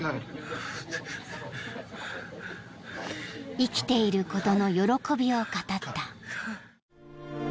［生きていることの喜びを語った］